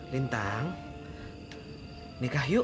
lintang putih itu